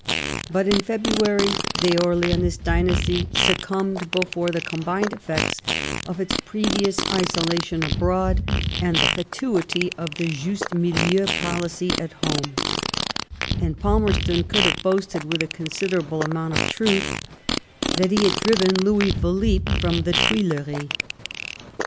But in February the Orleanist dynasty succumbed before the combined effects of its previous isolation abroad, and the fatuity of the juste milieu policy at home ; and Palmerston could have boasted, with a considerable amount of truth, that he had driven Louis Philippe from the Tuileries.